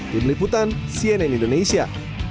di meliputan cnn indonesia